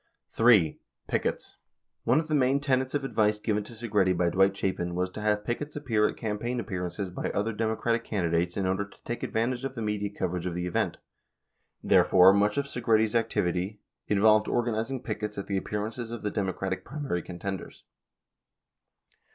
1 (Hi) Pickets .— One of the main tenets of advice given to Segretti by Dwight Chapin was to have pickets appear at campaign appear ances by other Democratic candidates in order to take advantage of the media coverage of the event. 2 Therefore, much of Segretti's activ ity involved organizing pickets at the appearances of the Democratic primary contenders.